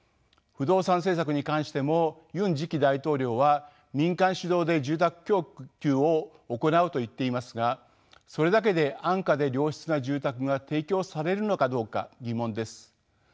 不動産政策に関してもユン次期大統領は民間主導で住宅供給を行うと言っていますがそれだけで安価で良質な住宅が提供されるのかどうか疑問です。